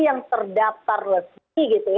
yang terdaptar lezat